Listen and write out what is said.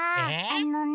あのね。